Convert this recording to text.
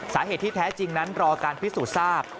สาเหตุที่แท้จริงนั้นรอการพิสูจน์ทราบ